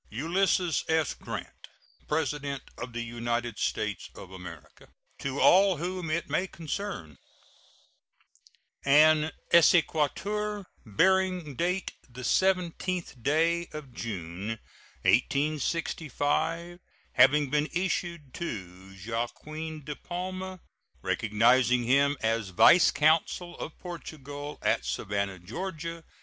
ULYSSES S. GRANT, PRESIDENT OF THE UNITED STATES OF AMERICA. To all whom it may concern: An exequatur, bearing date the 17th day of June, 1865, having been issued to Joaquin de Palma, recognizing him as vice consul of Portugal at Savannah, Ga.